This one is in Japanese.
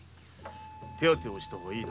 手当てをしたほうがいいな。